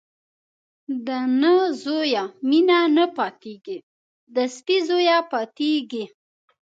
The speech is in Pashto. د نه زويه مينه نه پاتېږي ، د سپي زويه پاتېږي.